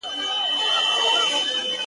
انګولاوي به خپرې وې د لېوانو؛